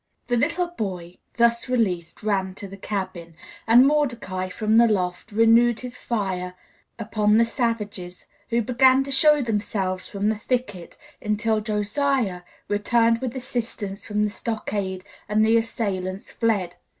The little boy, thus released, ran to the cabin, and Mordecai, from the loft, renewed his fire upon the savages, who began to show themselves from the thicket, until Josiah returned with assistance from the stockade, and the assailants fled.